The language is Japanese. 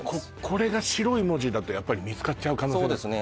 これが白い文字だとやっぱり見つかっちゃう可能性そうですね